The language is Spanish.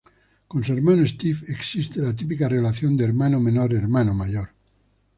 Con su hermano Steve existe la típica relación de hermano menor-hermano mayor.